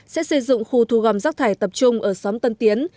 sẽ xây dựng khu thu gom rác thải tập trung ở xóm tân tiến